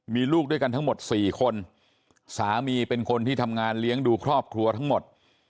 มีลูกด้วยกันทั้งหมด๔คนสามีเป็นคนที่ทำงานเลี้ยงดูครอบครัวทั้งหมด